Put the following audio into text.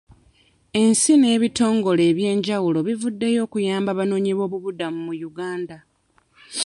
Ensi n'ebitongole eby'enjawulo bivuddeyo okuyamba abanoonyi b'obubuddamu mu Uganda.